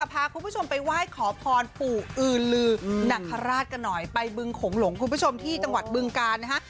พาคุณผู้ชมไปไหว้ขอพรปู่อือลือนคราชกันหน่อยไปบึงโขงหลงคุณผู้ชมที่จังหวัดบึงกาลนะฮะ